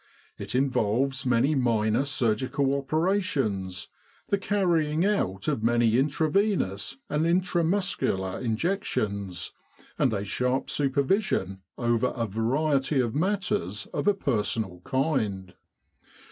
It involves many minor surgical operations, the carrying out of many intravenous and intramuscular injections, and a sharp supervision over a variety of matters of a personal kind.